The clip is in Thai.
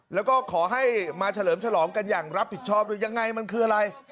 แล้วก็ขอให้มาเฉลิมฉลองกันอย่างรับผิดชอบด้วยยังไงมันคืออะไร